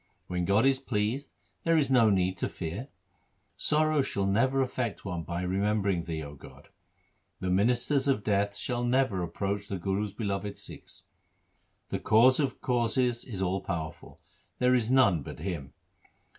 When God is pleased, there is no need to fear. Sorrow shall never affect one by remembering Thee, 0 God. The ministers of Death shall never approach the Guru's beloved Sikhs. The Cause of causes is all powerful ; there is none but Him.